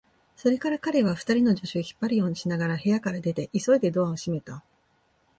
それから彼は、二人の助手を引っ張るようにしながら部屋から出て、急いでドアを閉めた。